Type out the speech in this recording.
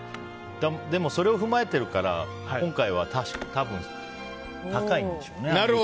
でも、それを踏まえてるから今回は多分高いんでしょうね。